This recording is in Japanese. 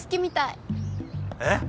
えっ！？